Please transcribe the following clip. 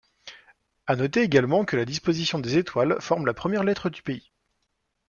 À noter également que la disposition des étoiles forme la première lettre du pays.